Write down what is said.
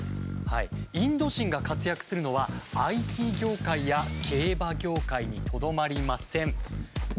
インド人が活躍するのはＩＴ業界や競馬業界にとどまりません。